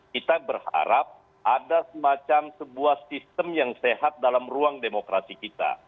kita berharap ada semacam sebuah sistem yang sehat dalam ruang demokrasi kita